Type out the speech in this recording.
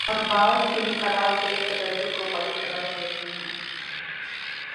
اور بعض تین قرار دے کررجوع کو باطل قرار دیتے ہیں